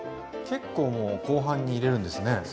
結構もう後半に入れるんですね。